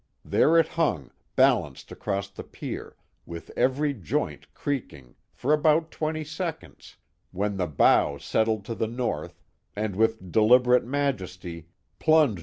There it hung, balanced across the pier, wiih every joint creaking, for about twenty seconds, when the bow settled to the north, and with deliberate majesty plunged i!